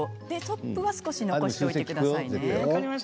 でトップは少し残しておいてくださいね。